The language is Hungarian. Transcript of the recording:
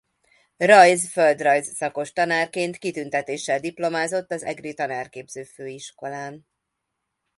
Rajz-földrajz szakos tanárként kitüntetéssel diplomázott az Egri Tanárképző Főiskolán.